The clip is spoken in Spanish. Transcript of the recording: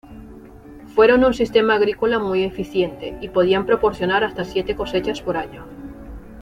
Fueron un sistema agrícola muy eficiente y podían proporcionar hasta siete cosechas por año.